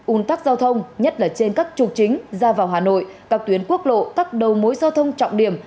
un tắc giao thông nhất là trên các trục chính ra vào hà nội các tuyến quốc lộ các đầu mối giao thông trọng điểm